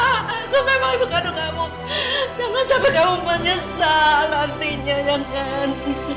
aku memang ibu kandung kamu jangan sampai kamu menyesal artinya ya kan